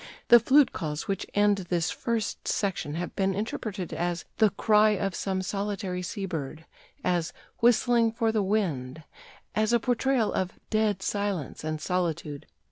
The flute calls which end this first section have been interpreted as "the cry of some solitary sea bird," as "whistling for the wind," as a portrayal of "dead silence and solitude."